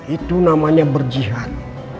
itu namanya berjihad